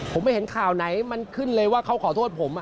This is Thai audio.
ผมไม่เห็นข่าวไหนมันขึ้นเลยว่าเขาขอโทษผม